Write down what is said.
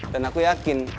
dan aku yakin